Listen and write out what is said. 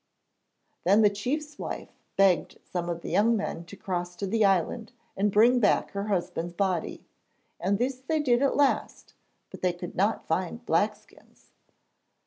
Then the chief's wife begged some of the young men to cross to the island and bring back her husband's body; and this they did at last, but they could not find Blackskin's.